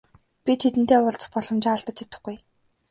Би тэдэнтэй уулзах боломжоо алдаж чадахгүй.